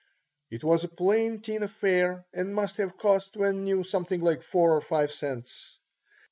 It was a plain tin affair and must have cost, when new, something like four or five cents.